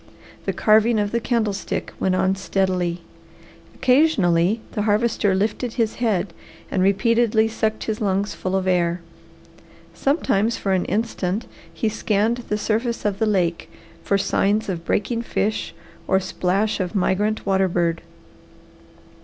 The carving of the candlestick went on steadily. Occasionally the Harvester lifted his head and repeatedly sucked his lungs full of air. Sometimes for an instant he scanned the surface of the lake for signs of breaking fish or splash of migrant water bird.